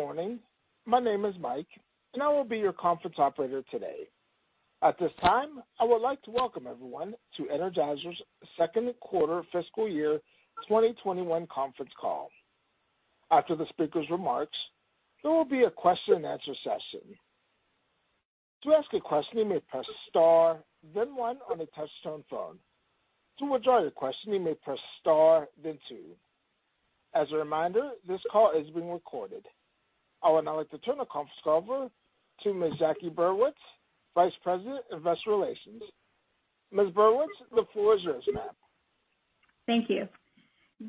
Good morning. My name is Mike, and I will be your conference operator today. At this time, I would like to welcome everyone to Energizer's second quarter fiscal year 2021 conference call. After the speaker's remarks, there will be a question and answer session. To ask a question, you may press star then one on a touch-tone phone. To withdraw your question, you may press star then two. As a reminder, this call is being recorded. I would now like to turn the conference call over to Ms. Jacqueline Burwitz, Vice President of Investor Relations. Ms. Burwitz, the floor is yours, ma'am. Thank you.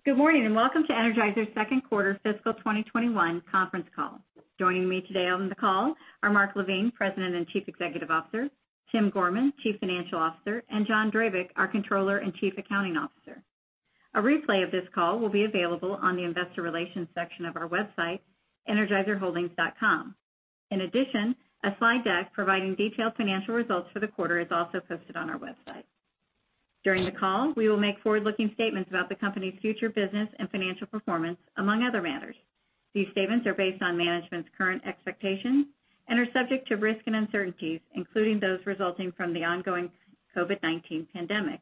Good morning, and welcome to Energizer's second quarter fiscal 2021 conference call. Joining me today on the call are Mark LaVigne, President and Chief Executive Officer, Timothy Gorman, Chief Financial Officer, and John Drabik, our Controller and Chief Accounting Officer. A replay of this call will be available on the investor relations section of our website, energizerholdings.com. In addition, a slide deck providing detailed financial results for the quarter is also posted on our website. During the call, we will make forward-looking statements about the company's future business and financial performance, among other matters. These statements are based on management's current expectations and are subject to risks and uncertainties, including those resulting from the ongoing COVID-19 pandemic,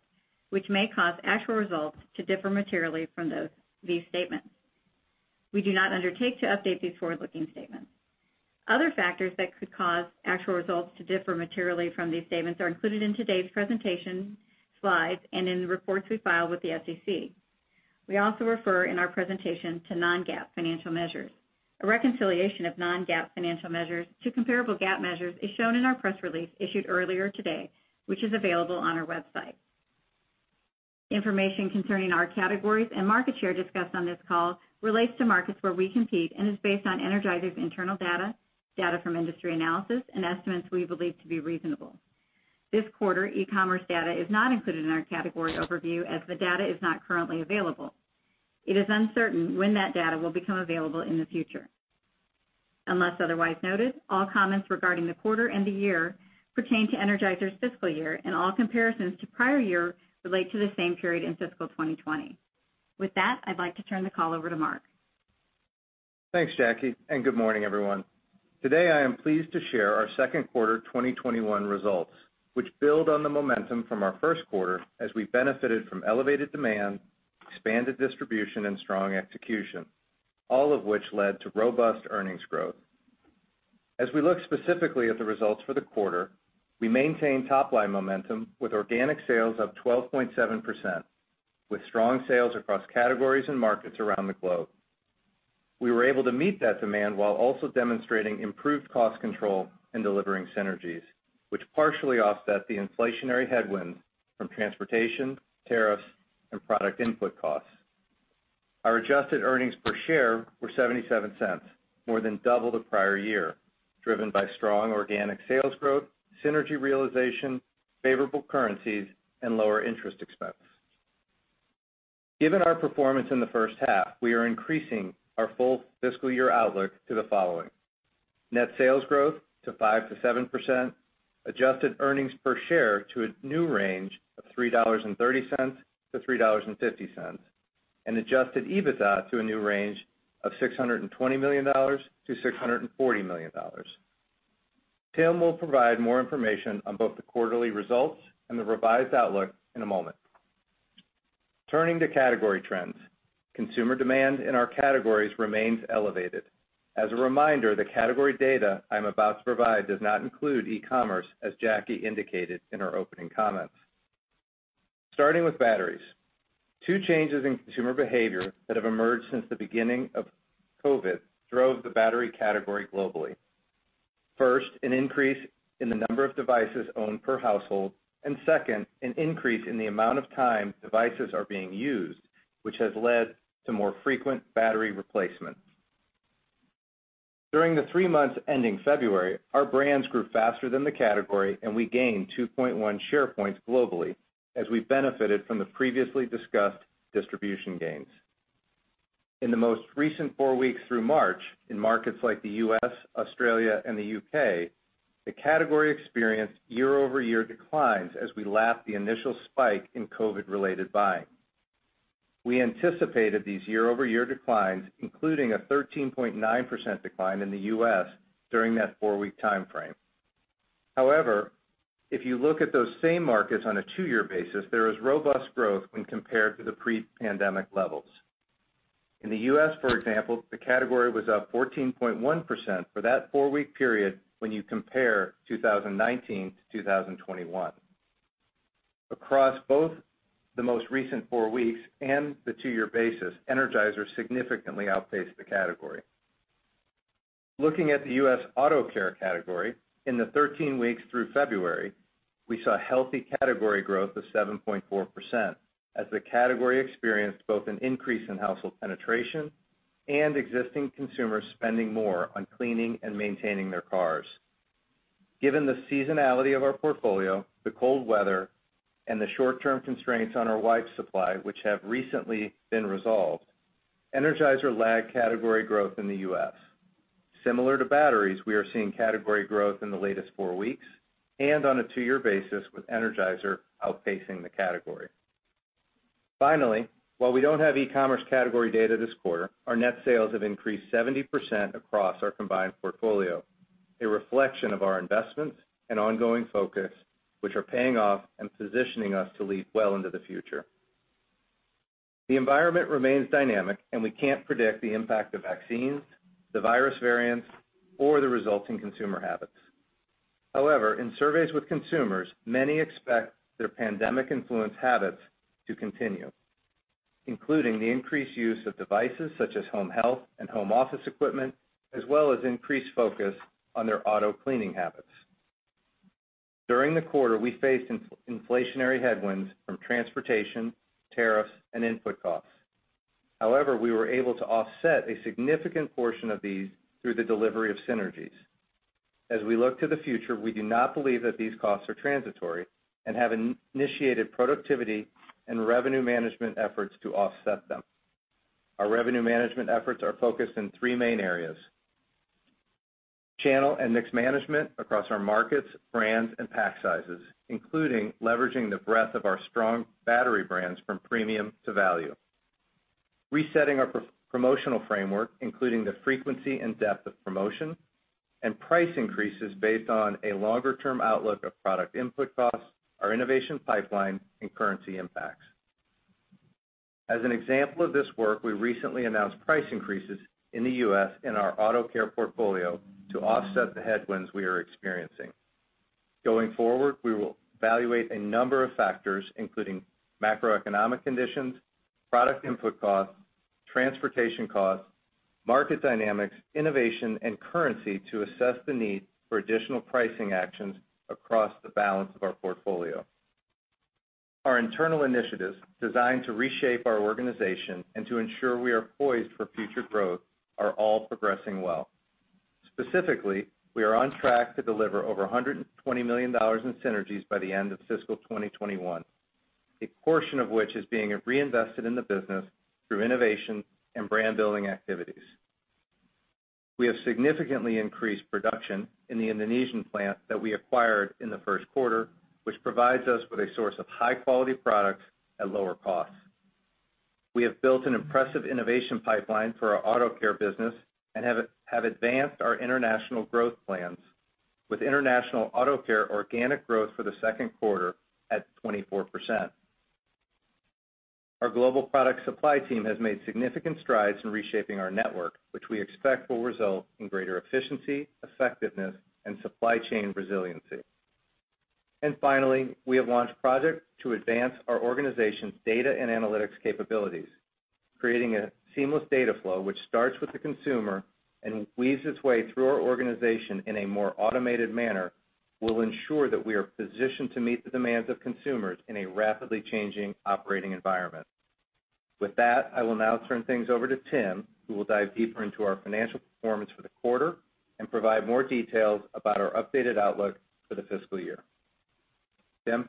which may cause actual results to differ materially from these statements. We do not undertake to update these forward-looking statements. Other factors that could cause actual results to differ materially from these statements are included in today's presentation slides and in the reports we file with the SEC. We also refer in our presentation to non-GAAP financial measures. A reconciliation of non-GAAP financial measures to comparable GAAP measures is shown in our press release issued earlier today, which is available on our website. Information concerning our categories and market share discussed on this call relates to markets where we compete and is based on Energizer's internal data from industry analysis, and estimates we believe to be reasonable. This quarter, e-commerce data is not included in our category overview as the data is not currently available. It is uncertain when that data will become available in the future. Unless otherwise noted, all comments regarding the quarter and the year pertain to Energizer's fiscal year, and all comparisons to prior year relate to the same period in fiscal 2020. With that, I'd like to turn the call over to Mark. Thanks, Jackie. Good morning, everyone. Today, I am pleased to share our second quarter 2021 results, which build on the momentum from our first quarter as we benefited from elevated demand, expanded distribution, and strong execution, all of which led to robust earnings growth. As we look specifically at the results for the quarter, we maintained top-line momentum with organic sales up 12.7%, with strong sales across categories and markets around the globe. We were able to meet that demand while also demonstrating improved cost control and delivering synergies, which partially offset the inflationary headwinds from transportation, tariffs, and product input costs. Our adjusted earnings per share were $0.77, more than double the prior year, driven by strong organic sales growth, synergy realization, favorable currencies, and lower interest expense. Given our performance in the first half, we are increasing our full fiscal year outlook to the following: net sales growth to 5%-7%, adjusted earnings per share to a new range of $3.30-$3.50, and adjusted EBITDA to a new range of $620 million-$640 million. Tim will provide more information on both the quarterly results and the revised outlook in a moment. Turning to category trends, consumer demand in our categories remains elevated. As a reminder, the category data I'm about to provide does not include e-commerce, as Jackie indicated in her opening comments. Starting with batteries, two changes in consumer behavior that have emerged since the beginning of COVID drove the battery category globally. First, an increase in the number of devices owned per household, and second, an increase in the amount of time devices are being used, which has led to more frequent battery replacement. During the three months ending February, our brands grew faster than the category, and we gained 2.1 share points globally as we benefited from the previously discussed distribution gains. In the most recent four weeks through March, in markets like the U.S., Australia, and the U.K., the category experienced year-over-year declines as we lapped the initial spike in COVID-related buying. We anticipated these year-over-year declines, including a 13.9% decline in the U.S. during that four-week timeframe. However, if you look at those same markets on a two-year basis, there is robust growth when compared to the pre-pandemic levels. In the U.S., for example, the category was up 14.1% for that four-week period when you compare 2019 to 2021. Across both the most recent four weeks and the two-year basis, Energizer significantly outpaced the category. Looking at the U.S. Auto Care category, in the 13 weeks through February, we saw healthy category growth of 7.4% as the category experienced both an increase in household penetration and existing consumers spending more on cleaning and maintaining their cars. Given the seasonality of our portfolio, the cold weather, and the short-term constraints on our wipes supply, which have recently been resolved, Energizer lagged category growth in the U.S. Similar to batteries, we are seeing category growth in the latest four weeks and on a two-year basis, with Energizer outpacing the category. Finally, while we don't have e-commerce category data this quarter, our net sales have increased 70% across our combined portfolio, a reflection of our investments and ongoing focus, which are paying off and positioning us to lead well into the future. The environment remains dynamic, we can't predict the impact of vaccines, the virus variants, or the resulting consumer habits. However, in surveys with consumers, many expect their pandemic-influenced habits to continue, including the increased use of devices such as home health and home office equipment, as well as increased focus on their auto cleaning habits. During the quarter, we faced inflationary headwinds from transportation, tariffs, and input costs. However, we were able to offset a significant portion of these through the delivery of synergies. As we look to the future, we do not believe that these costs are transitory and have initiated productivity and revenue management efforts to offset them. Our revenue management efforts are focused in three main areas. Channel and mix management across our markets, brands, and pack sizes, including leveraging the breadth of our strong battery brands from premium to value. Resetting our promotional framework, including the frequency and depth of promotion, and price increases based on a longer-term outlook of product input costs, our innovation pipeline, and currency impacts. As an example of this work, we recently announced price increases in the U.S. in our Auto Care portfolio to offset the headwinds we are experiencing. Going forward, we will evaluate a number of factors, including macroeconomic conditions, product input costs, transportation costs, market dynamics, innovation, and currency to assess the need for additional pricing actions across the balance of our portfolio. Our internal initiatives designed to reshape our organization and to ensure we are poised for future growth are all progressing well. Specifically, we are on track to deliver over $120 million in synergies by the end of fiscal 2021, a portion of which is being reinvested in the business through innovation and brand-building activities. We have significantly increased production in the Indonesian plant that we acquired in the first quarter, which provides us with a source of high-quality products at lower costs. We have built an impressive innovation pipeline for our Auto Care business and have advanced our international growth plans, with international Auto Care organic growth for the second quarter at 24%. Our global product supply team has made significant strides in reshaping our network, which we expect will result in greater efficiency, effectiveness, and supply chain resiliency. Finally, we have launched projects to advance our organization's data and analytics capabilities. Creating a seamless data flow, which starts with the consumer and weaves its way through our organization in a more automated manner, will ensure that we are positioned to meet the demands of consumers in a rapidly changing operating environment. With that, I will now turn things over to Tim, who will dive deeper into our financial performance for the quarter and provide more details about our updated outlook for the fiscal year. Tim?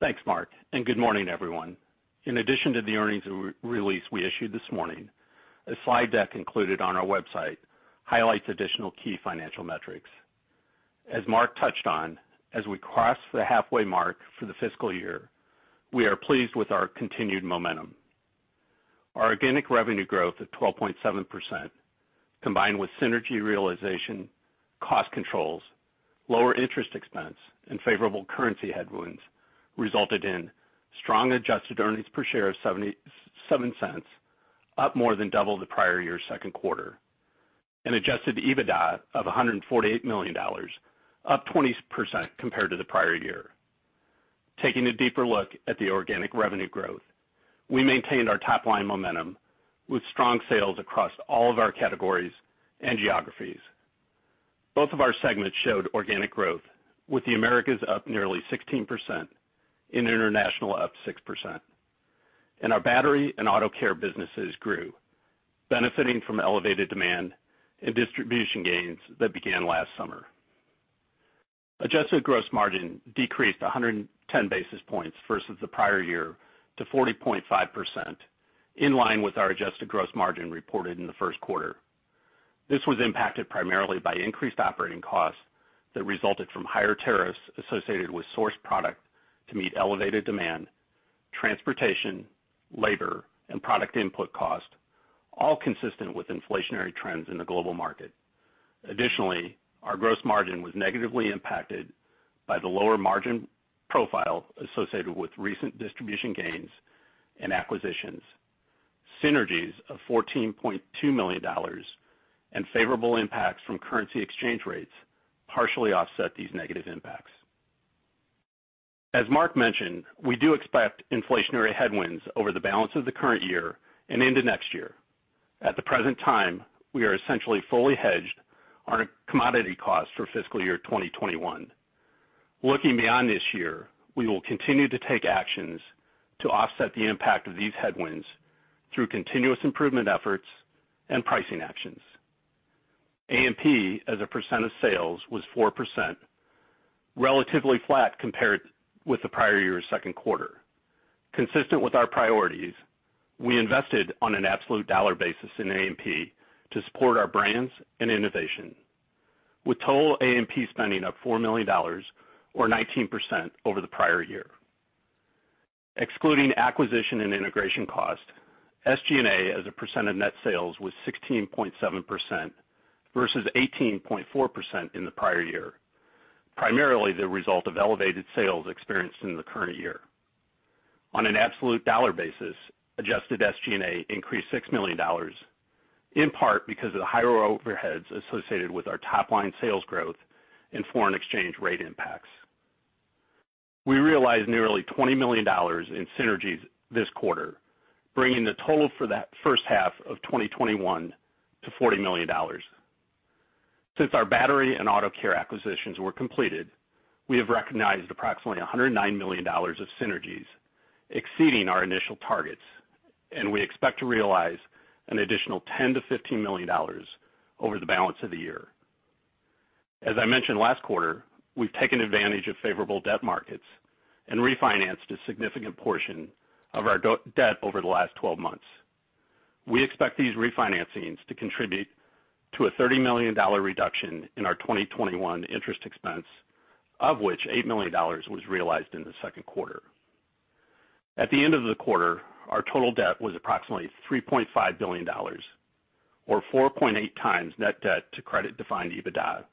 Thanks, Mark. Good morning, everyone. In addition to the earnings release we issued this morning, a slide deck included on our website highlights additional key financial metrics. As Mark touched on, as we cross the halfway mark for the fiscal year, we are pleased with our continued momentum. Our organic revenue growth of 12.7%, combined with synergy realization, cost controls, lower interest expense, and favorable currency headwinds, resulted in strong adjusted earnings per share of $0.77, up more than double the prior year second quarter, and adjusted EBITDA of $148 million, up 20% compared to the prior year. Taking a deeper look at the organic revenue growth, we maintained our top-line momentum with strong sales across all of our categories and geographies. Both of our segments showed organic growth, with the Americas up nearly 16% and international up 6%. Our battery and Auto Care businesses grew, benefiting from elevated demand and distribution gains that began last summer. Adjusted gross margin decreased 110 basis points versus the prior year to 40.5%, in line with our adjusted gross margin reported in the first quarter. This was impacted primarily by increased operating costs that resulted from higher tariffs associated with sourced product to meet elevated demand, transportation, labor, and product input costs, all consistent with inflationary trends in the global market. Additionally, our gross margin was negatively impacted by the lower margin profile associated with recent distribution gains and acquisitions. Synergies of $14.2 million and favorable impacts from currency exchange rates partially offset these negative impacts. As Mark mentioned, we do expect inflationary headwinds over the balance of the current year and into next year. At the present time, we are essentially fully hedged on commodity costs for fiscal year 2021. Looking beyond this year, we will continue to take actions to offset the impact of these headwinds through continuous improvement efforts and pricing actions. A&P as a percent of sales was 4%, relatively flat compared with the prior year's second quarter. Consistent with our priorities, we invested on an absolute dollar basis in A&P to support our brands and innovation. With total A&P spending up $4 million, or 19%, over the prior year. Excluding acquisition and integration cost, SG&A as a percent of net sales was 16.7% versus 18.4% in the prior year, primarily the result of elevated sales experienced in the current year. On an absolute dollar basis, adjusted SG&A increased $6 million, in part because of the higher overheads associated with our top-line sales growth and foreign exchange rate impacts. We realized nearly $20 million in synergies this quarter, bringing the total for that first half of 2021 to $40 million. Since our battery and Auto Care acquisitions were completed, we have recognized approximately $109 million of synergies, exceeding our initial targets, and we expect to realize an additional $10 million-$15 million over the balance of the year. As I mentioned last quarter, we've taken advantage of favorable debt markets and refinanced a significant portion of our debt over the last 12 months. We expect these refinancings to contribute to a $30 million reduction in our 2021 interest expense, of which $8 million was realized in the second quarter. At the end of the quarter, our total debt was approximately $3.5 billion, or 4.8 times net debt to credit-defined EBITDA,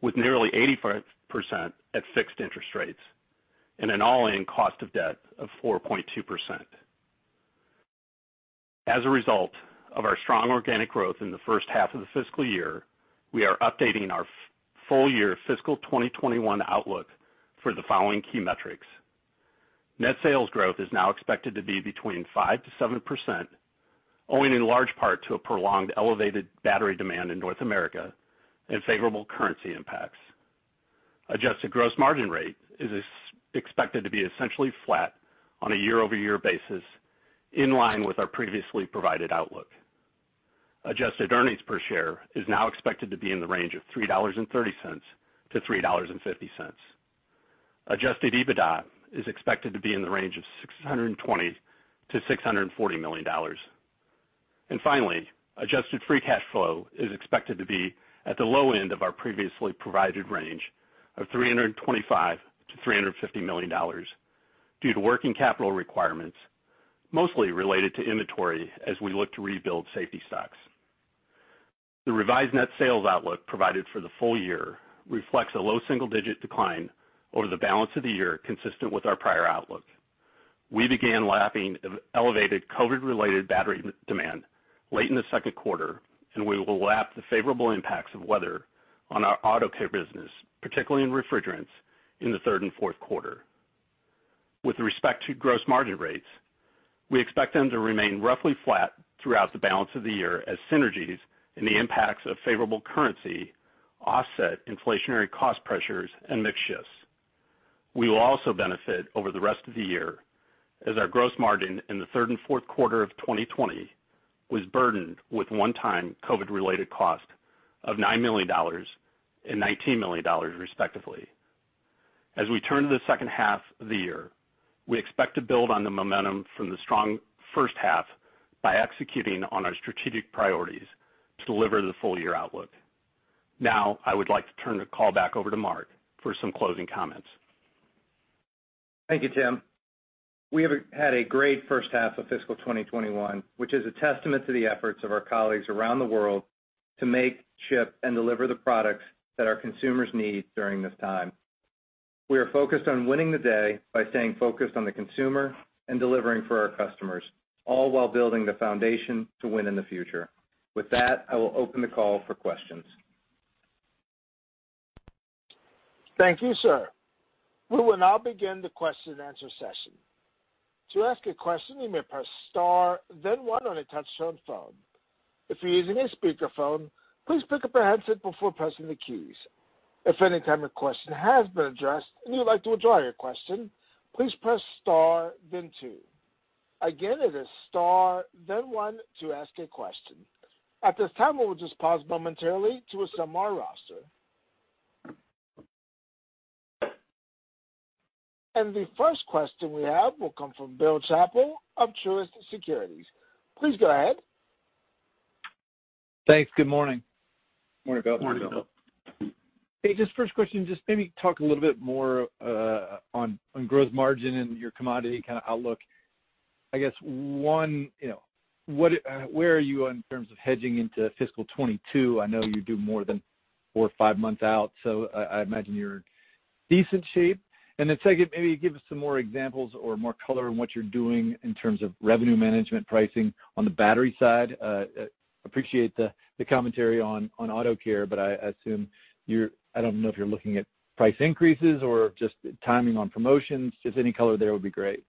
with nearly 85% at fixed interest rates and an all-in cost of debt of 4.2%. As a result of our strong organic growth in the first half of the fiscal year, we are updating our full-year fiscal 2021 outlook for the following key metrics. Net sales growth is now expected to be between 5%-7%, owing in large part to a prolonged elevated battery demand in North America and favorable currency impacts. Adjusted gross margin rate is expected to be essentially flat on a year-over-year basis, in line with our previously provided outlook. Adjusted earnings per share is now expected to be in the range of $3.30-$3.50. Adjusted EBITDA is expected to be in the range of $620 million-$640 million. Finally, adjusted free cash flow is expected to be at the low end of our previously provided range of $325 million-$350 million due to working capital requirements, mostly related to inventory as we look to rebuild safety stocks. The revised net sales outlook provided for the full year reflects a low single-digit decline over the balance of the year, consistent with our prior outlook. We began lapping elevated COVID-related battery demand late in the second quarter, and we will lap the favorable impacts of weather on our Auto Care business, particularly in refrigerants, in the third and fourth quarter. With respect to gross margin rates, we expect them to remain roughly flat throughout the balance of the year as synergies and the impacts of favorable currency offset inflationary cost pressures and mix shifts. We will also benefit over the rest of the year as our gross margin in the third and fourth quarter of 2020 was burdened with one-time COVID-related cost of $9 million and $19 million, respectively. As we turn to the second half of the year, we expect to build on the momentum from the strong first half by executing on our strategic priorities to deliver the full-year outlook. Now, I would like to turn the call back over to Mark for some closing comments. Thank you, Tim. We have had a great first half of fiscal 2021, which is a testament to the efforts of our colleagues around the world to make, ship, and deliver the products that our consumers need during this time. We are focused on winning the day by staying focused on the consumer and delivering for our customers, all while building the foundation to win in the future. With that, I will open the call for questions. Thank you, sir. We will now begin the question and answer session. To ask a question, you may press star then One on a touch-tone phone. If you're using a speakerphone, please pick up a handset before pressing the keys. If any kind of question has been addressed and you would like to withdraw your question, please press star then Two. Again, it is star then One to ask a question. At this time, we will just pause momentarily to assemble our roster. The first question we have will come from Bill Chappell of Truist Securities. Please go ahead. Thanks. Good morning. Morning, Bill. Morning, Bill. Hey, just first question, just maybe talk a little bit more on gross margin and your commodity kind of outlook. I guess, one, where are you in terms of hedging into fiscal 2022? I know you do more than four or five months out, so I imagine you're in decent shape. Second, maybe give us some more examples or more color on what you're doing in terms of revenue management pricing on the battery side. Appreciate the commentary on Auto Care, but I don't know if you're looking at price increases or just timing on promotions. Just any color there would be great.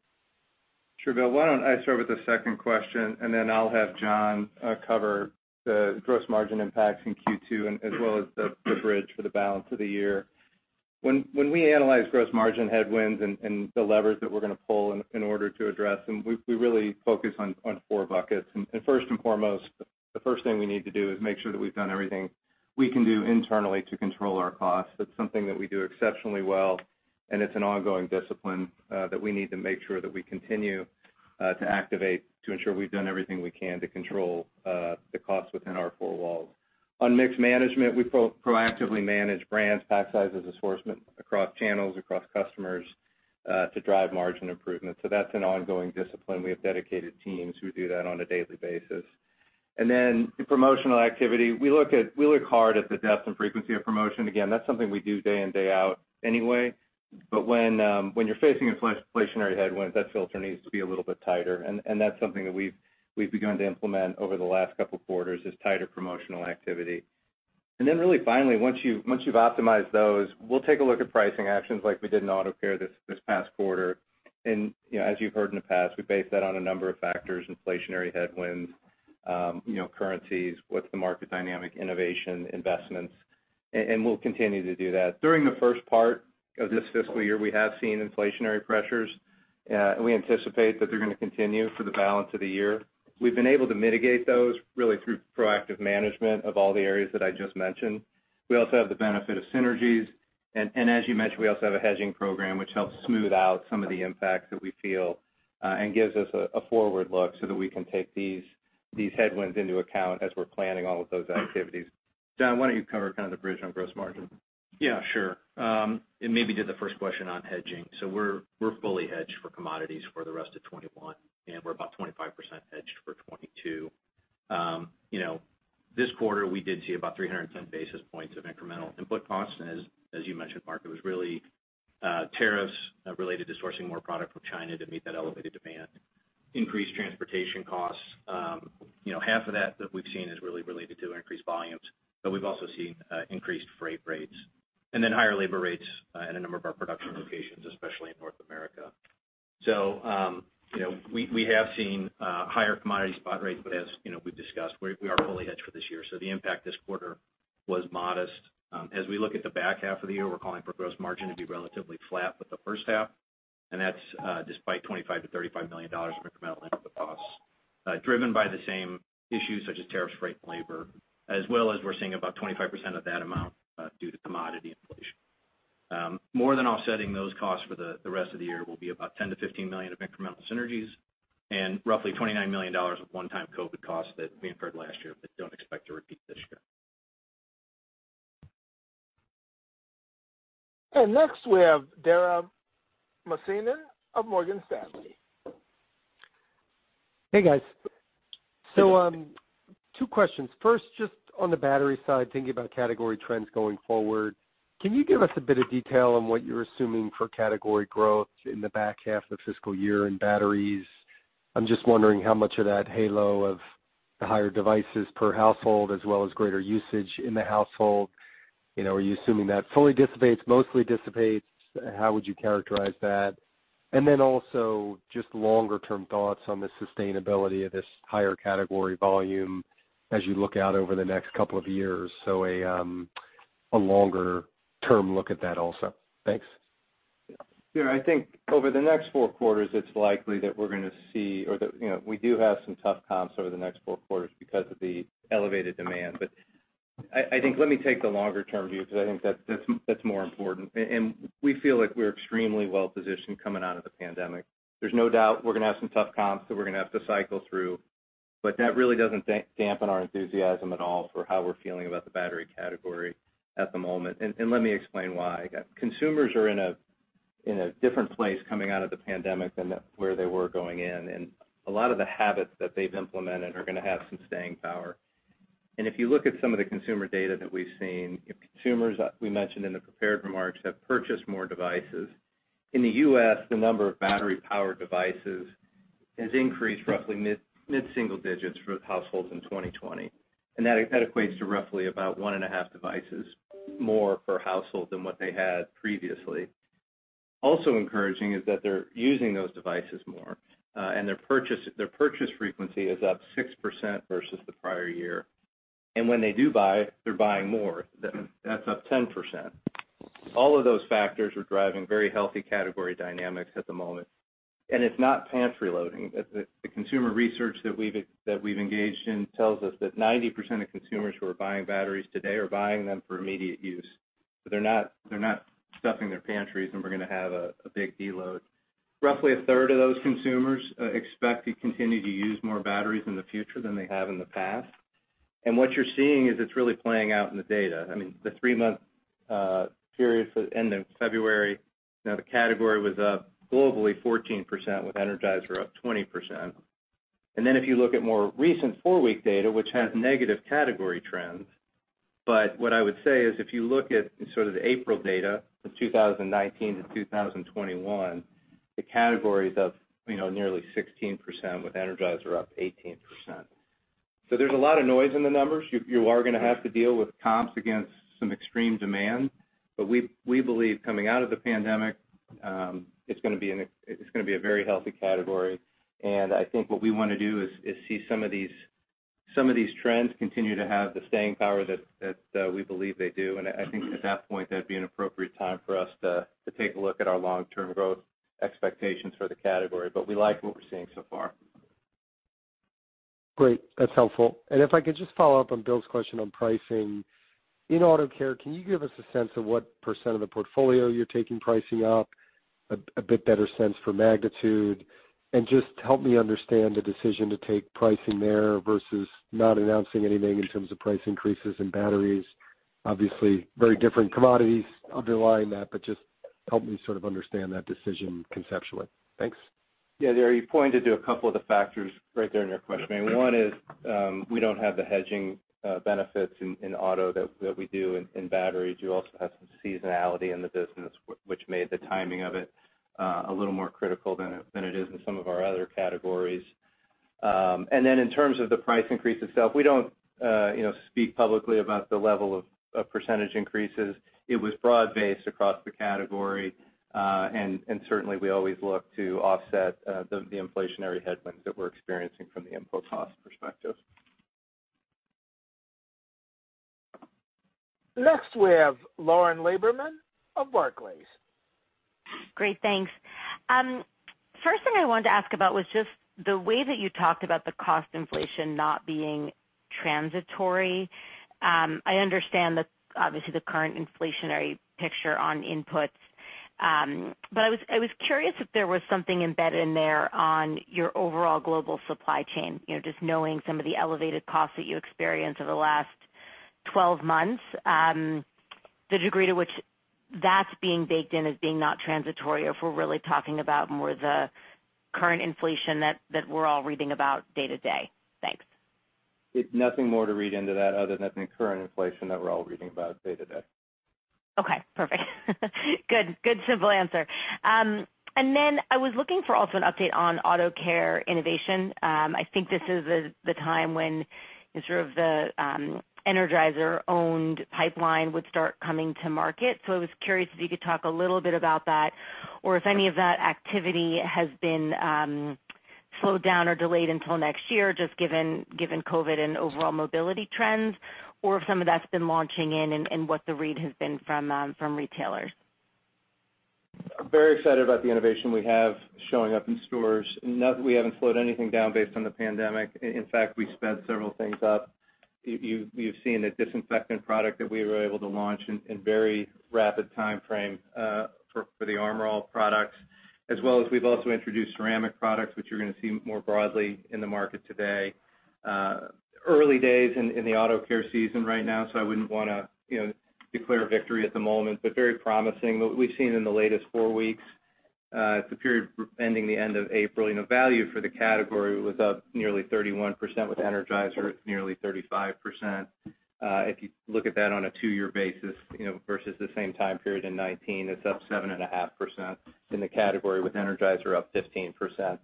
Sure, Bill, why don't I start with the second question and then I'll have John cover the gross margin impacts in Q2 and as well as the bridge for the balance of the year. When we analyze gross margin headwinds and the levers that we're going to pull in order to address them, we really focus on four buckets. First and foremost, the first thing we need to do is make sure that we've done everything we can do internally to control our costs. That's something that we do exceptionally well. It's an ongoing discipline that we need to make sure that we continue to activate to ensure we've done everything we can to control the costs within our four walls. On mixed management, we proactively manage brands, pack sizes, assortment across channels, across customers, to drive margin improvement. That's an ongoing discipline. We have dedicated teams who do that on a daily basis. The promotional activity, we look hard at the depth and frequency of promotion. Again, that's something we do day in, day out anyway. When you're facing inflationary headwinds, that filter needs to be a little bit tighter, and that's something that we've begun to implement over the last couple of quarters, is tighter promotional activity. Really finally, once you've optimized those, we'll take a look at pricing actions like we did in Auto Care this past quarter. As you've heard in the past, we base that on a number of factors: inflationary headwinds, currencies, what's the market dynamic, innovation, investments. We'll continue to do that. During the first part of this fiscal year, we have seen inflationary pressures, and we anticipate that they're going to continue for the balance of the year. We've been able to mitigate those really through proactive management of all the areas that I just mentioned. We also have the benefit of synergies. As you mentioned, we also have a hedging program, which helps smooth out some of the impacts that we feel, and gives us a forward look so that we can take these headwinds into account as we're planning all of those activities. John, why don't you cover kind of the bridge on gross margin? Yeah, sure. Maybe to the first question on hedging. We're fully hedged for commodities for the rest of 2021, and we're about 25% hedged for 2022. This quarter, we did see about 310 basis points of incremental input costs. As you mentioned, Mark, it was really tariffs related to sourcing more product from China to meet that elevated demand, increased transportation costs. Half of that we've seen is really related to increased volumes, but we've also seen increased freight rates. Higher labor rates at a number of our production locations, especially in North America. We have seen higher commodity spot rates, but as we've discussed, we are fully hedged for this year. The impact this quarter was modest. As we look at the back half of the year, we're calling for gross margin to be relatively flat with the first half, and that's despite $25 million-$35 million of incremental input costs, driven by the same issues such as tariffs, freight, and labor, as well as we're seeing about 25% of that amount due to commodity inflation. More than offsetting those costs for the rest of the year will be about $10 million-$15 million of incremental synergies and roughly $29 million of one-time COVID costs that we incurred last year but don't expect to repeat this year. Next, we have Dara Mohsenian of Morgan Stanley. Hey, guys. Hey, Dara. Two questions. First, just on the battery side, thinking about category trends going forward, can you give us a bit of detail on what you're assuming for category growth in the back half of the fiscal year in batteries? I'm just wondering how much of that halo of the higher devices per household, as well as greater usage in the household. Are you assuming that fully dissipates, mostly dissipates? How would you characterize that? Also just longer-term thoughts on the sustainability of this higher category volume as you look out over the next couple of years. A longer-term look at that also. Thanks. Dara, I think over the next four quarters, it's likely that we're going to see, or that we do have some tough comps over the next four quarters because of the elevated demand. I think, let me take the longer-term view, because I think that's more important. We feel like we're extremely well-positioned coming out of the pandemic. There's no doubt we're going to have some tough comps that we're going to have to cycle through, but that really doesn't dampen our enthusiasm at all for how we're feeling about the battery category at the moment. Let me explain why. Consumers are in a different place coming out of the pandemic than where they were going in, and a lot of the habits that they've implemented are going to have some staying power. If you look at some of the consumer data that we've seen, consumers, we mentioned in the prepared remarks, have purchased more devices. In the U.S., the number of battery-powered devices has increased roughly mid-single digits for households in 2020. That equates to roughly about one and a half devices more per household than what they had previously. Also encouraging is that they're using those devices more, and their purchase frequency is up 6% versus the prior year. When they do buy, they're buying more. That's up 10%. All of those factors are driving very healthy category dynamics at the moment. It's not pantry loading. The consumer research that we've engaged in tells us that 90% of consumers who are buying batteries today are buying them for immediate use. They're not stuffing their pantries, and we're going to have a big deload. Roughly a third of those consumers expect to continue to use more batteries in the future than they have in the past. What you're seeing is it's really playing out in the data. I mean, the three-month period for end of February, the category was up globally 14%, with Energizer up 20%. If you look at more recent four-week data, which has negative category trends, but what I would say is if you look at sort of the April data from 2019 to 2021, the category is up nearly 16%, with Energizer up 18%. There's a lot of noise in the numbers. You are going to have to deal with comps against some extreme demand. We believe coming out of the pandemic, it's going to be a very healthy category. I think what we want to do is see some of these trends continue to have the staying power that we believe they do. I think at that point, that'd be an appropriate time for us to take a look at our long-term growth expectations for the category. We like what we're seeing so far. Great. That's helpful. If I could just follow up on Bill's question on pricing. In Auto Care, can you give us a sense of what % of the portfolio you're taking pricing up, a bit better sense for magnitude? Just help me understand the decision to take pricing there versus not announcing anything in terms of price increases in batteries. Obviously, very different commodities underlying that, but just help me sort of understand that decision conceptually. Thanks. You pointed to a couple of the factors right there in your question. I mean, one is, we don't have the hedging benefits in auto that we do in batteries. You also have some seasonality in the business, which made the timing of it a little more critical than it is in some of our other categories. In terms of the price increase itself, we don't speak publicly about the level of percentage increases. It was broad-based across the category. Certainly, we always look to offset the inflationary headwinds that we're experiencing from the input cost perspective. Next, we have Lauren Lieberman of Barclays. Great, thanks. First thing I wanted to ask about was just the way that you talked about the cost inflation not being transitory. I was curious if there was something embedded in there on your overall global supply chain, just knowing some of the elevated costs that you experienced over the last 12 months, the degree to which that's being baked in as being not transitory, or if we're really talking about more the current inflation that we're all reading about day to day. Thanks. It's nothing more to read into that other than the current inflation that we're all reading about day to day. Okay, perfect. Good simple answer. I was looking for also an update on Auto Care innovation. I think this is the time when sort of the Energizer-owned pipeline would start coming to market. I was curious if you could talk a little bit about that or if any of that activity has been slowed down or delayed until next year, just given COVID and overall mobility trends, or if some of that's been launching in and what the read has been from retailers. Very excited about the innovation we have showing up in stores. We haven't slowed anything down based on the pandemic. In fact, we sped several things up. You've seen a disinfectant product that we were able to launch in very rapid timeframe, for the ARM & HAMMER products, as well as we've also introduced ceramic products, which you're going to see more broadly in the market today. Early days in the Auto Care season right now, so I wouldn't want to declare victory at the moment, but very promising. What we've seen in the latest four weeks, the period ending the end of April, value for the category was up nearly 31%, with Energizer it's nearly 35%. If you look at that on a two-year basis versus the same time period in 2019, it's up 7.5% in the category, with Energizer up 15%.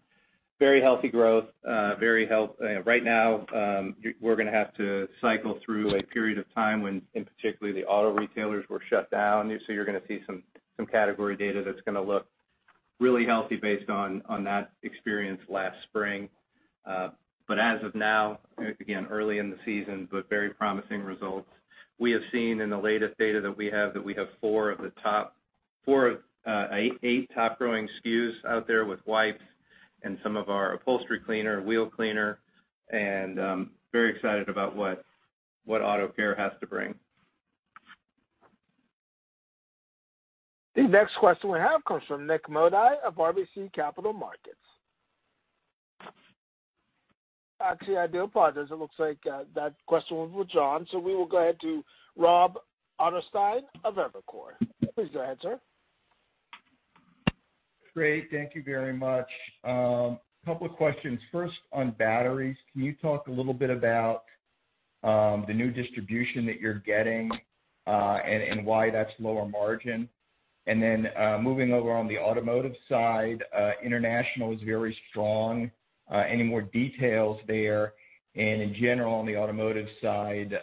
Very healthy growth. Right now, we're going to have to cycle through a period of time when, in particular, the auto retailers were shut down. You're going to see some category data that's going to look really healthy based on that experience last spring. As of now, again, early in the season, but very promising results. We have seen in the latest data that we have four of the top eight top-growing SKUs out there with wipes and some of our upholstery cleaner, wheel cleaner, and I'm very excited about what Auto Care has to bring. The next question we have comes from Nik Modi of RBC Capital Markets. I do apologize. It looks like that question was withdrawn, so we will go ahead to Robert Ottenstein of Evercore. Please go ahead, sir. Great. Thank you very much. Couple of questions. First, on batteries, can you talk a little bit about the new distribution that you're getting, and why that's lower margin? Then, moving over on the automotive side, international is very strong. Any more details there? In general, on the automotive side,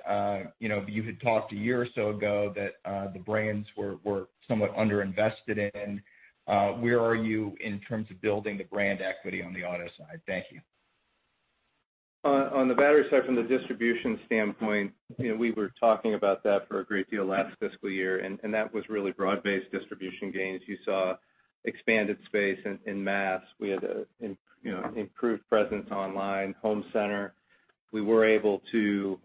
you had talked a year or so ago that the brands were somewhat underinvested in. Where are you in terms of building the brand equity on the auto side? Thank you. On the battery side, from the distribution standpoint, we were talking about that for a great deal last fiscal year, and that was really broad-based distribution gains. You saw expanded space in mass. We had improved presence online, home center. We were able to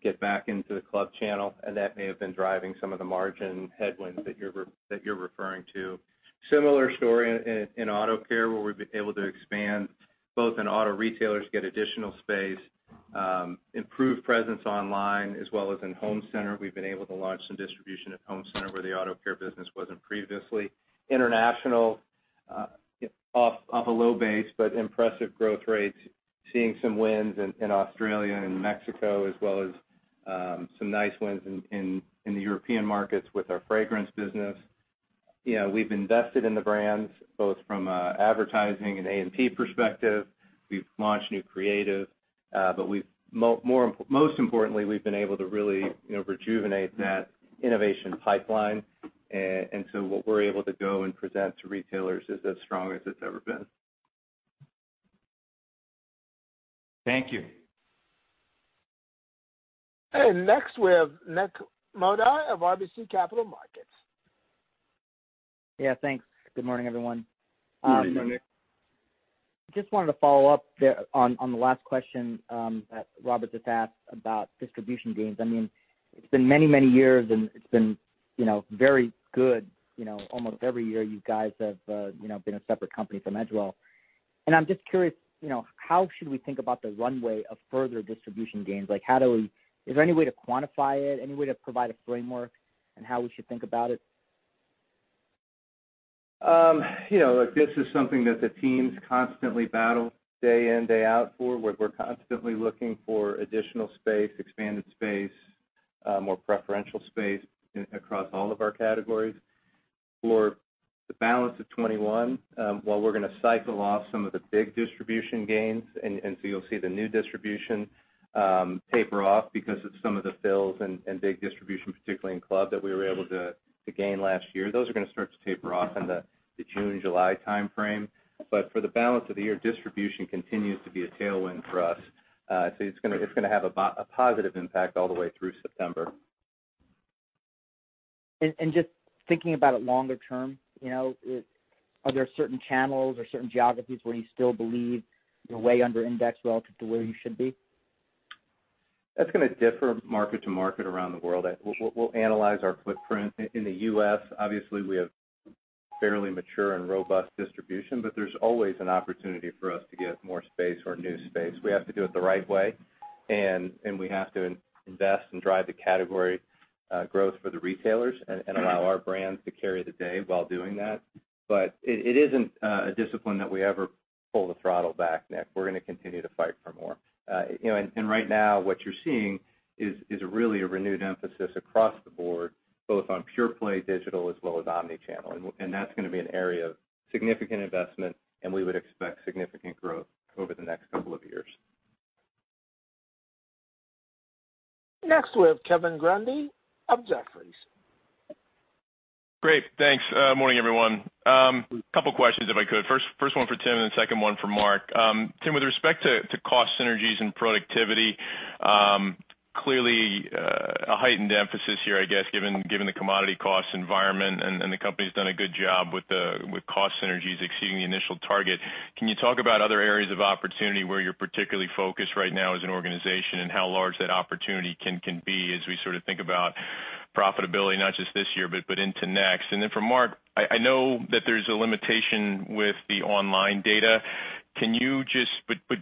get back into the club channel, and that may have been driving some of the margin headwinds that you're referring to. Similar story in Auto Care, where we've been able to expand both in auto retailers, get additional space, improve presence online, as well as in home center. We've been able to launch some distribution at home center where the Auto Care business wasn't previously. International, off a low base, but impressive growth rates. Seeing some wins in Australia and Mexico, as well as some nice wins in the European markets with our fragrance business. We've invested in the brands, both from advertising and A&P perspective. We've launched new creative. Most importantly, we've been able to really rejuvenate that innovation pipeline. What we're able to go and present to retailers is as strong as it's ever been. Thank you. Next, we have Nik Modi of RBC Capital Markets. Yeah, thanks. Good morning, everyone. Good morning, Nik. Just wanted to follow up on the last question that Robert just asked about distribution gains. It's been many, many years, and it's been very good. Almost every year you guys have been a separate company from Edgewell. I'm just curious, how should we think about the runway of further distribution gains? Is there any way to quantify it, any way to provide a framework on how we should think about it? This is something that the teams constantly battle day in, day out for. We're constantly looking for additional space, expanded space, more preferential space across all of our categories. For the balance of 2021, while we're going to cycle off some of the big distribution gains, and so you'll see the new distribution taper off because of some of the fills and big distribution, particularly in club, that we were able to gain last year. Those are going to start to taper off in the June, July timeframe. For the balance of the year, distribution continues to be a tailwind for us. It's going to have a positive impact all the way through September. Just thinking about it longer term, are there certain channels or certain geographies where you still believe you're way under indexed relative to where you should be? That's going to differ market to market around the world. We'll analyze our footprint. In the U.S., obviously, we have fairly mature and robust distribution, there's always an opportunity for us to get more space or new space. We have to do it the right way, we have to invest and drive the category growth for the retailers and allow our brands to carry the day while doing that. It isn't a discipline that we ever pull the throttle back, Nik. We're going to continue to fight for more. Right now, what you're seeing is really a renewed emphasis across the board, both on pure play digital as well as omni-channel. That's going to be an area of significant investment, and we would expect significant growth over the next couple of years. Next, we have Kevin Grundy of Jefferies. Great. Thanks. Morning, everyone. Couple questions if I could. First one for Tim, and then second one for Mark. Tim, with respect to cost synergies and productivity, clearly a heightened emphasis here, I guess, given the commodity cost environment, and the company's done a good job with cost synergies exceeding the initial target. Can you talk about other areas of opportunity where you're particularly focused right now as an organization, and how large that opportunity can be as we sort of think about profitability not just this year, but into next? For Mark, I know that there's a limitation with the online data.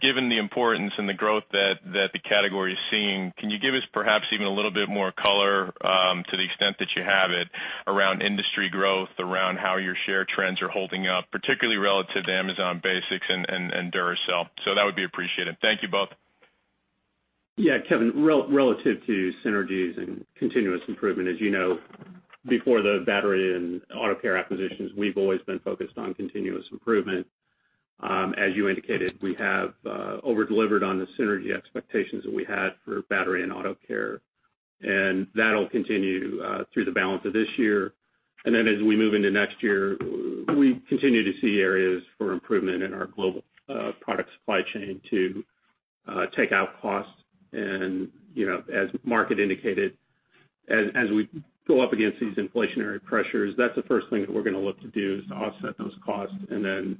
Given the importance and the growth that the category is seeing, can you give us perhaps even a little bit more color, to the extent that you have it, around industry growth, around how your share trends are holding up, particularly relative to Amazon Basics and Duracell? That would be appreciated. Thank you both. Kevin, relative to synergies and continuous improvement, as you know, before the battery and Auto Care acquisitions, we've always been focused on continuous improvement. As you indicated, we have over-delivered on the synergy expectations that we had for battery and Auto Care, that'll continue through the balance of this year. Then as we move into next year, we continue to see areas for improvement in our global product supply chain to take out costs. As Mark had indicated, as we go up against these inflationary pressures, that's the first thing that we're going to look to do is to offset those costs and then,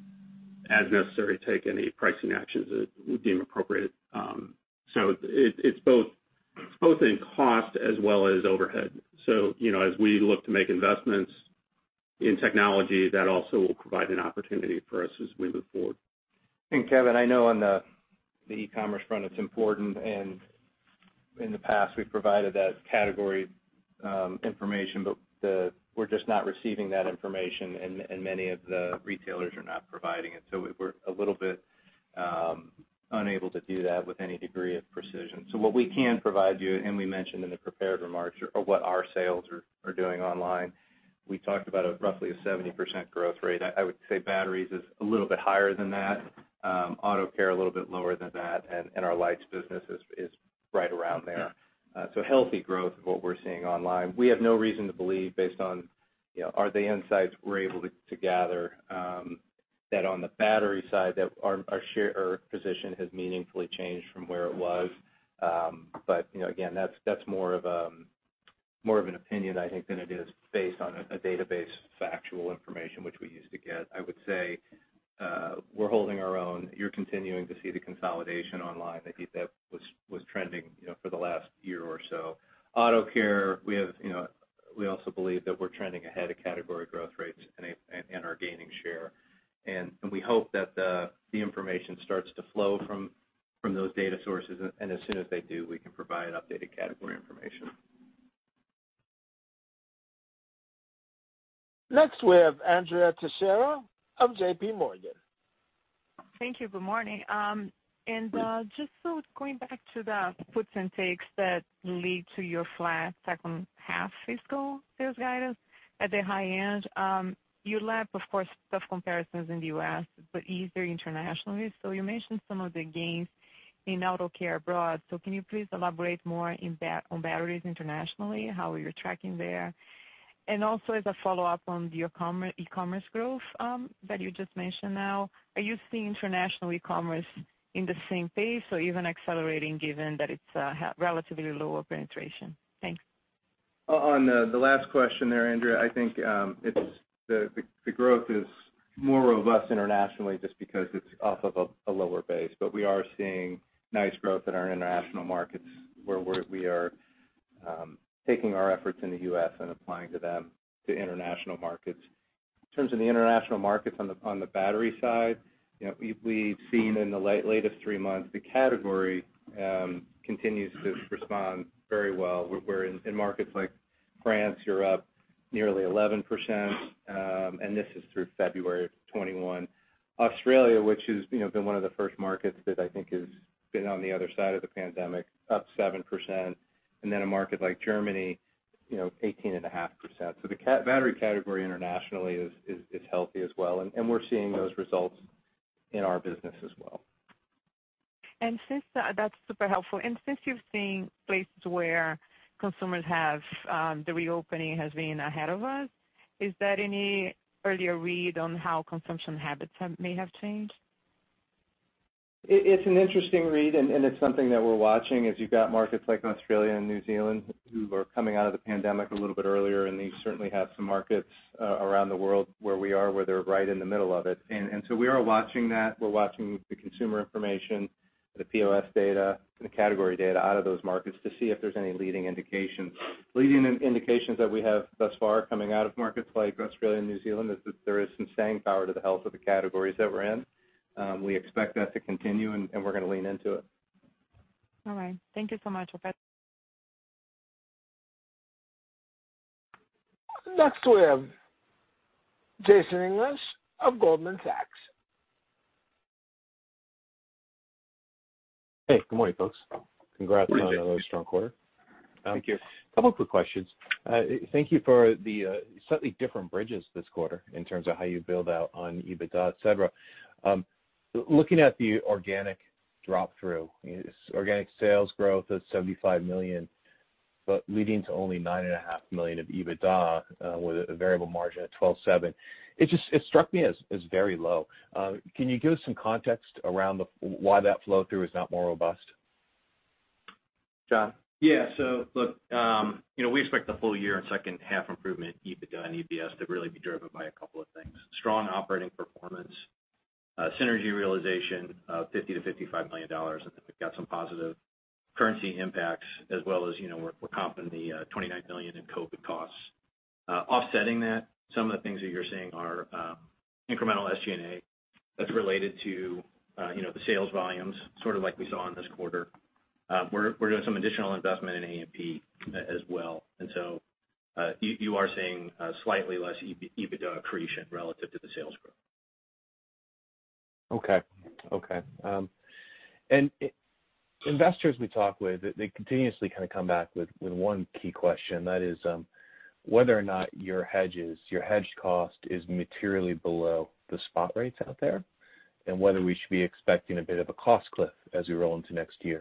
as necessary, take any pricing actions that we deem appropriate. It's both in cost as well as overhead. As we look to make investments in technology, that also will provide an opportunity for us as we move forward. Kevin, I know on the e-commerce front, it's important, and in the past, we've provided that category information. We're just not receiving that information, and many of the retailers are not providing it. We're a little bit unable to do that with any degree of precision. What we can provide you, and we mentioned in the prepared remarks, are what our sales are doing online. We talked about roughly a 70% growth rate. I would say batteries is a little bit higher than that. Auto Care, a little bit lower than that, and our lights business is right around there. Healthy growth of what we're seeing online. We have no reason to believe, based on the insights we're able to gather, that on the battery side, that our position has meaningfully changed from where it was. Again, that's more of an opinion, I think, than it is based on a database factual information which we used to get. I would say we're holding our own. You're continuing to see the consolidation online. I think that was trending for the last year or so. Auto Care, we also believe that we're trending ahead of category growth rates and are gaining share. We hope that the information starts to flow from those data sources, and as soon as they do, we can provide updated category information. Next, we have Andrea Teixeira of JPMorgan. Thank you. Good morning. Just going back to the puts and takes that lead to your flat second half fiscal sales guidance at the high end. You lap, of course, tough comparisons in the U.S., but easier internationally. You mentioned some of the gains in Auto Care abroad. Can you please elaborate more on batteries internationally, how you're tracking there? Also as a follow-up on your e-commerce growth that you just mentioned now, are you seeing international e-commerce in the same pace or even accelerating given that it's relatively lower penetration? Thanks. On the last question there, Andrea, I think the growth is more robust internationally just because it's off of a lower base. We are seeing nice growth in our international markets, where we are taking our efforts in the U.S. and applying to them to international markets. In terms of the international markets on the battery side, we've seen in the latest three months, the category continues to respond very well, where in markets like France, you're up nearly 11%. This is through February 21. Australia, which has been one of the first markets that I think has been on the other side of the pandemic, up 7%. A market like Germany, 18.5%. The battery category internationally is healthy as well, and we're seeing those results in our business as well. That's super helpful. Since you've seen places where the reopening has been ahead of us, is there any earlier read on how consumption habits may have changed? It's an interesting read, and it's something that we're watching. As you've got markets like Australia and New Zealand who are coming out of the pandemic a little bit earlier, and you certainly have some markets around the world where we are, where they're right in the middle of it. We are watching that. We're watching the consumer information, the POS data, and the category data out of those markets to see if there's any leading indications. Leading indications that we have thus far coming out of markets like Australia and New Zealand is that there is some staying power to the health of the categories that we're in. We expect that to continue, and we're going to lean into it. All right. Thank you so much. Next, we have Jason English of Goldman Sachs. Hey, good morning, folks. Good morning, Jason. Congrats on another strong quarter. Thank you. A couple of quick questions. Thank you for the slightly different bridges this quarter in terms of how you build out on EBITDA, et cetera. Looking at the organic drop-through, organic sales growth of $75 million, but leading to only $9.5 million of EBITDA with a variable margin at 12.7%. It struck me as very low. Can you give us some context around why that flow-through is not more robust? John? Look, we expect the full year and second-half improvement in EBITDA and EPS to really be driven by a couple of things. Strong operating performance, synergy realization of $50 million-$55 million, and then we've got some positive currency impacts as well as we're comping the $29 million in COVID costs. Offsetting that, some of the things that you're seeing are incremental SG&A that's related to the sales volumes, sort of like we saw in this quarter. We're doing some additional investment in A&P as well. You are seeing slightly less EBITDA accretion relative to the sales growth. Okay. Investors we talk with, they continuously kind of come back with one key question, that is whether or not your hedged cost is materially below the spot rates out there, and whether we should be expecting a bit of a cost cliff as we roll into next year.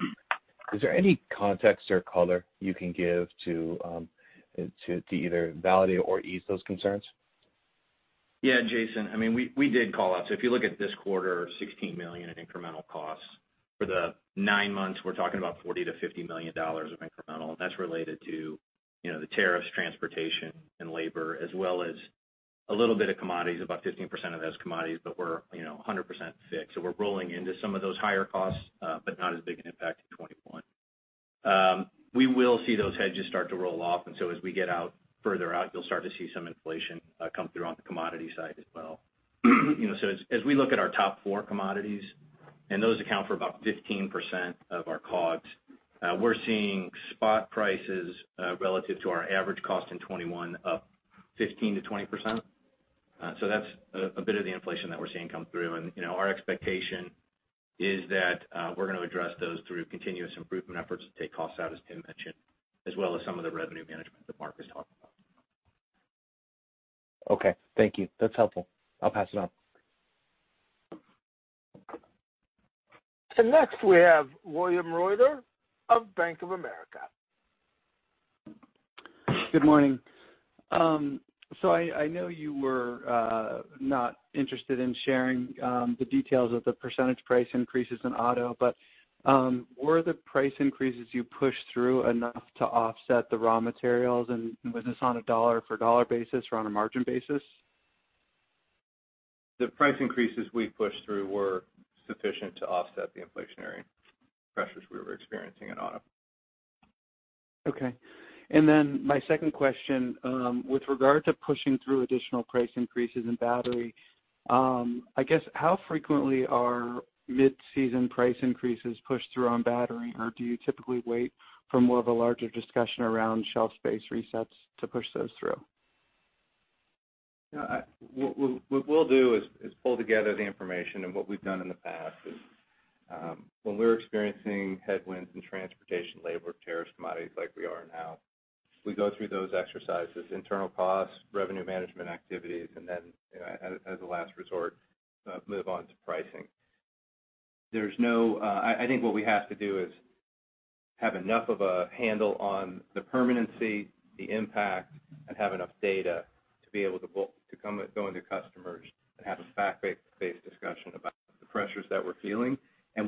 Is there any context or color you can give to either validate or ease those concerns? Jason. We did call out. If you look at this quarter, $16 million in incremental costs. For the nine months, we're talking about $40 million-$50 million of incremental, and that's related to the tariffs, transportation, and labor, as well as a little bit of commodities, about 15% of those commodities, but we're 100% fixed. We're rolling into some of those higher costs, but not as big an impact in 2021. We will see those hedges start to roll off, as we get further out, you'll start to see some inflation come through on the commodity side as well. As we look at our top four commodities, and those account for about 15% of our COGS, we're seeing spot prices relative to our average cost in 2021 up 15%-20%. That's a bit of the inflation that we're seeing come through. Our expectation is that we're going to address those through continuous improvement efforts to take costs out, as Tim mentioned, as well as some of the revenue management that Mark was talking about. Okay. Thank you. That's helpful. I'll pass it on. Next we have William Reuter of Bank of America. Good morning. I know you were not interested in sharing the details of the percentage price increases in Auto Care, but were the price increases you pushed through enough to offset the raw materials? Was this on a dollar for dollar basis or on a margin basis? The price increases we pushed through were sufficient to offset the inflationary pressures we were experiencing in auto. Okay. My second question, with regard to pushing through additional price increases in battery, I guess how frequently are mid-season price increases pushed through on battery, or do you typically wait for more of a larger discussion around shelf space resets to push those through? What we'll do is pull together the information, and what we've done in the past is, when we're experiencing headwinds in transportation, labor, tariffs, commodities like we are now, we go through those exercises, internal costs, revenue management activities, and then, as a last resort, move on to pricing. I think what we have to do is have enough of a handle on the permanency, the impact, and have enough data to be able to go into customers and have a fact-based discussion about the pressures that we're feeling.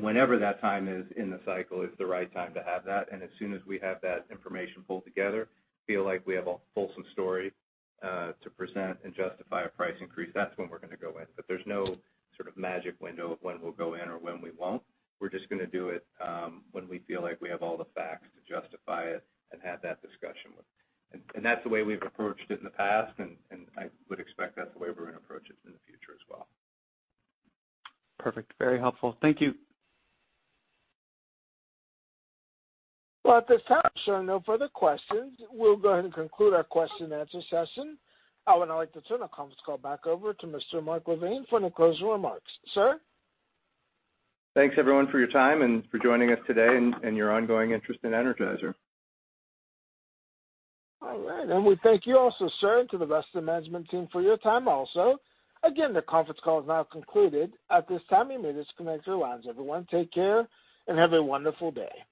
Whenever that time is in the cycle is the right time to have that, and as soon as we have that information pulled together, feel like we have a fulsome story to present and justify a price increase, that's when we're going to go in. There's no sort of magic window of when we'll go in or when we won't. We're just going to do it when we feel like we have all the facts to justify it and have that discussion with. That's the way we've approached it in the past, and I would expect that's the way we're going to approach it in the future as well. Perfect. Very helpful. Thank you. Well, at this time, sir, no further questions. We'll go ahead and conclude our question and answer session. I would now like to turn the conference call back over to Mr. Mark LaVigne for any closing remarks. Sir? Thanks, everyone, for your time and for joining us today and your ongoing interest in Energizer. All right. We thank you also, sir, and to the rest of the management team for your time also. Again, the conference call is now concluded. At this time, you may disconnect your lines. Everyone, take care and have a wonderful day.